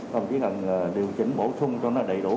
không chỉ cần điều chỉnh bổ sung cho nó đầy đủ